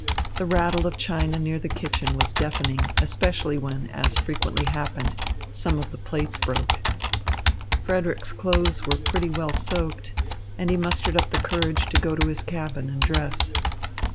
The rattle of china near the kitchen was deafening, especially when, as frequently happened, some of the plates broke. Frederick's clothes were pretty well soaked, and he mustered up the courage to go to his cabin to dress.